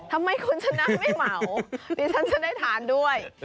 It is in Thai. ทำไมคุณจะน้ำไม่เหมาพี่ฉันจะได้ทานด้วย